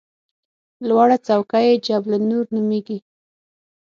لوړه څوکه یې جبل نور نومېږي.